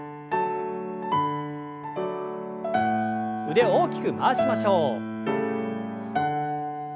腕を大きく回しましょう。